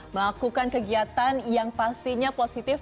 melakukan kegiatan yang pastinya positif